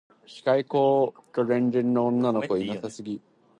機械工と電電女の子いなさすぎだろ